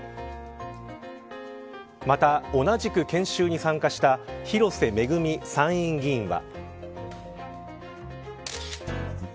また、同じく研修に参加した広瀬めぐみ参院議員は。